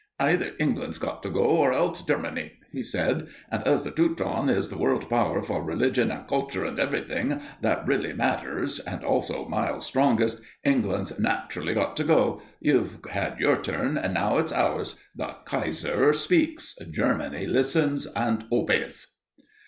"Either England's got to go, or else Germany," he said, "and as the Teuton is the world power for religion and culture and everything that really matters, and also miles strongest, England's naturally got to go. You've had your turn; now it's ours. The Kaiser speaks, Germany listens and obeys."